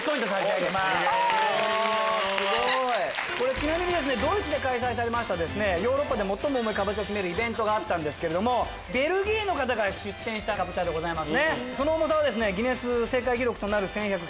ちなみにドイツで開催されましたヨーロッパで最も重いカボチャを決めるイベントですけどもベルギーの方が出展したカボチャでございます。